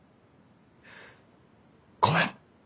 ごめん。